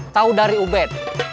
tau dari ubed